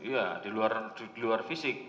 iya di luar fisik